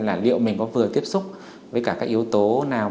là liệu mình có vừa tiếp xúc với cả các yếu tố nào